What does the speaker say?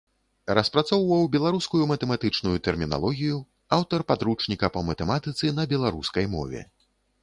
Распрацоўваў беларускую матэматычную тэрміналогію, аўтар падручніка па матэматыцы на беларускай мове.